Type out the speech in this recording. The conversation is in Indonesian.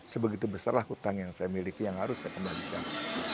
sebegitu besarlah hutang yang saya miliki yang harus saya kembalikan